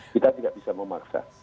kita tidak bisa memaksa